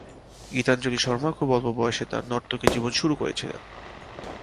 গীতাঞ্জলি শর্মা খুব অল্প বয়সে তাঁর নর্তকী জীবন শুরু করেছিলেন।